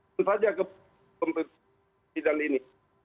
tentu saja sidang ini